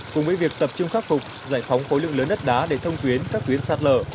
cùng với việc tập trung khắc phục giải phóng khối lượng lớn đất đá để thông tuyến các tuyến sạt lở